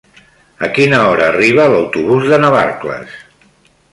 A quina hora arriba l'autobús de Navarcles?